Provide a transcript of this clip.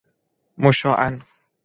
مشاعاً